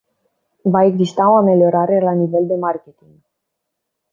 Va exista o ameliorare la nivel de marketing.